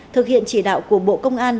thực hiện chỉ đạo của bộ công an